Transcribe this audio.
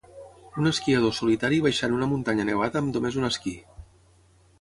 un esquiador solitari baixant una muntanya nevada amb només un esquí